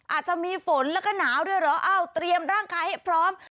อาจจะมีฝนแล้วก็หนาวด้วยหรอ